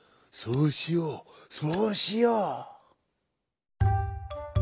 そうしようそうしよう」。